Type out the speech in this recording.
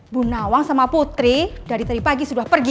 bu nawang sama putri dari tadi pagi sudah pergi